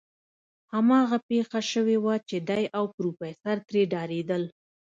هماغه پېښه شوې وه چې دی او پروفيسر ترې ډارېدل.